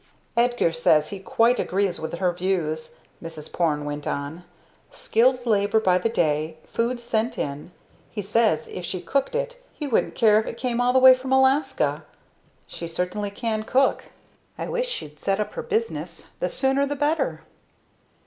"Edgar says he quite agrees with her views," Mrs. Porne went on. "Skilled labor by the day food sent in . He says if she cooked it he wouldn't care if it came all the way from Alaska! She certainly can cook! I wish she'd set up her business the sooner the better."